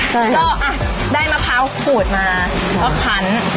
ก็ได้มะพร้าวขูดมาแล้วพัน